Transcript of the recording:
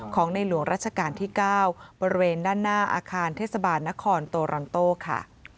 ของในหลวงราชการที่๙บริเวณด้านหน้าอาคารเทศบาลนครโตรันโต้ค่ะ